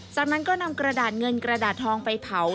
จากนั้นก็นำกระดาษเงินกระดาษทองไปเผา